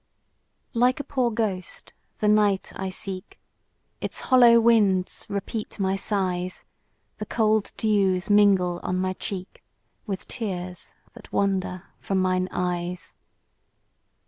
LIKE a poor ghost the night I seek; Its hollow winds repeat my sighs; The cold dews mingle on my cheek With tears that wander from mine eyes.